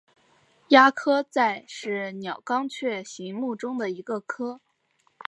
鸦科在是鸟纲雀形目中的一个科。